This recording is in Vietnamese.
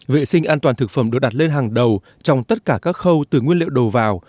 vệ sinh an toàn thực phẩm được đặt lên hàng đầu trong tất cả các khâu từ nguyên liệu đầu vào